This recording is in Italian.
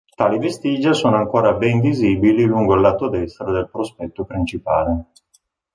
Tali vestigia sono ancora ben visibili lungo il lato destro del prospetto principale.